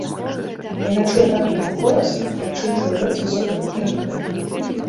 Яна чула так яго голас, як чуе чалавек з высокай тэмпературай.